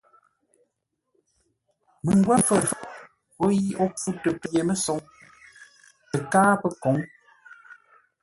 Məngwə́fə̂r, gho yi ó mpfutə pye-mə́soŋ tə́ káa pə́ kǒŋ.